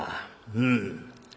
うん。